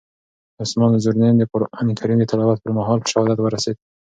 عثمان ذوالنورین د قرآن کریم د تلاوت پر مهال په شهادت ورسېد.